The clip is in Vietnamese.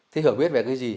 thì hiểu biết về cái gì